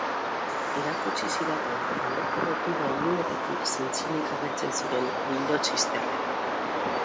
Hala erakutsi zidaten ondoko botiga ilunetatik zintzilik agertzen ziren bildots izterrek.